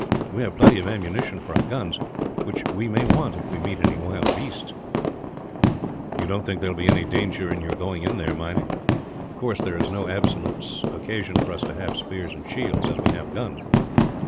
We have plenty of ammunition for our guns; which we may want, if we meet any wild beasts." "You don't think that there will be any danger in your going in there, Meinik? Of course, there is no absolute occasion for us to have spears and shields, as we have guns."